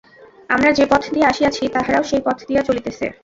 আমরা যে-পথ দিয়া আসিয়াছি, তাহারাও সেই পথ দিয়া চলিতেছে।